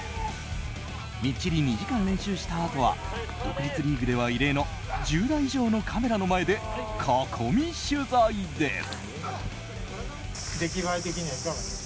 みっちり２時間練習したあとは独立リーグでは異例の１０台以上のカメラの前で囲み取材です。